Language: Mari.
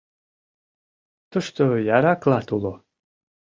Тушто яра клат уло.